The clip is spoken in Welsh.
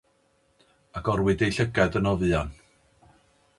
Agorwyd eu llygaid yn o fuan.